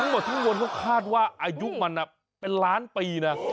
ทั้งหมดทั้งมวลเขาคาดว่าอายุมันเป็นล้านปีนะ